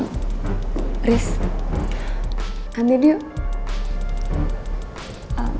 guys kita kantin berdua ya